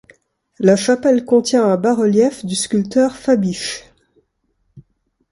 La chapelle contient un bas-relief du sculpteur Fabisch.